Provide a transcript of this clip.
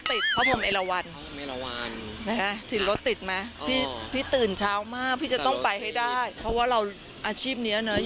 ติดเพราะผมเอราวัลที่รถติดมะพี่ชาวมากซะกำไปให้ได้เพราะว่าเราอาชีพ